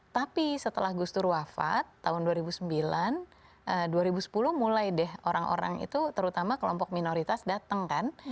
tapi setelah gus dur wafat tahun dua ribu sembilan dua ribu sepuluh mulai deh orang orang itu terutama kelompok minoritas datang kan